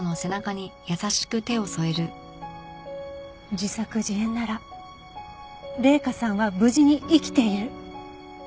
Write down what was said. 自作自演なら麗華さんは無事に生きている。